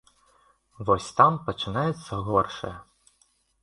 Вось там пачынаецца горшае.